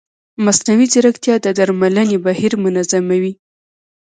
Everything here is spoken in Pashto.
مصنوعي ځیرکتیا د درملنې بهیر منظموي.